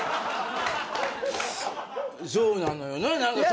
そうなのよな。